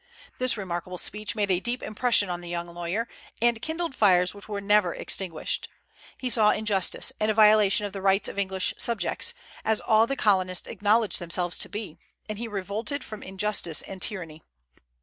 This remarkable speech made a deep impression on the young lawyer, and kindled fires which were never extinguished. He saw injustice, and a violation of the rights of English subjects, as all the Colonists acknowledged themselves to be, and he revolted from injustice and tyranny.